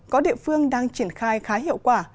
có địa phương đang triển khai khá hiệu quả